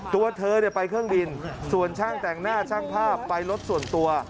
ตัวเธอไปเครื่องบินส่วนช่างแต่งหน้าช่างภาพไปรถส่วนตัว